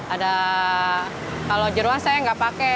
ada kalau jeruan saya nggak pakai